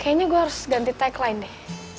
kayaknya gue harus ganti tagline deh